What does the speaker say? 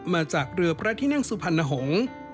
มาจากเรือพระที่นั่งสุพรรณหงษ์